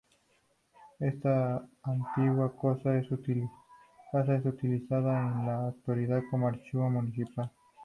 Esta antigua casa es utilizada en la actualidad como archivo municipal.